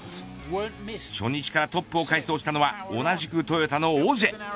初日からトップを快走したのは同じくトヨタのオジェ。